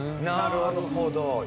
なるほど。